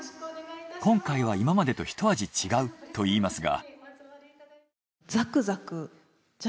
今回は今までと一味違うと言いますが。